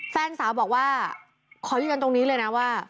แฟนสาวบอกว่าขอยืนยันตรงนี้เลยนะว่า